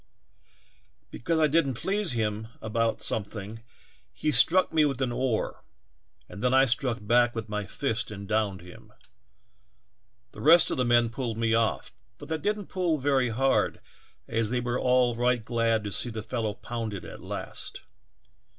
Because I didn't please him about something he struck me 52 THE TALKINC, IIANDKERCIIIEF. with an oar, and then I struck back with my fist and downed him. The rest of the men pulled me off, but they didn't pull very hard as they were all right glad to see the fellow pounded at last.